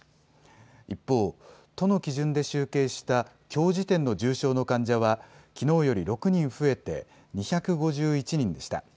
一方、都の基準で集計したきょう時点の重症の患者はきのうより６人増えて２５１人でした。